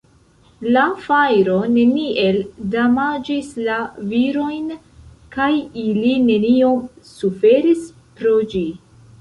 La fajro neniel damaĝis la virojn kaj ili neniom suferis pro ĝi.